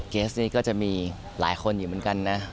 เคสนี้ก็จะมีหลายคนอยู่เหมือนกันนะ